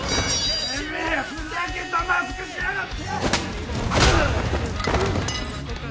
てめえふざけたマスクしやがって！